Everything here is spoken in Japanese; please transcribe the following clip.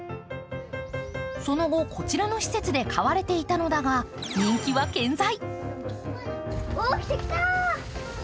その後、こちらの施設で飼われていたのだが、人気は健在。